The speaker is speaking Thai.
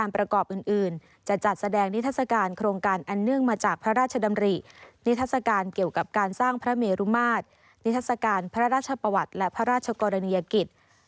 พระเมียรุมาตรนิศกาลพระราชปวัตรและพระราชกรณียกิจ